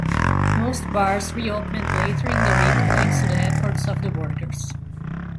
Most bars re-opened later in the week thanks to the efforts of the workers.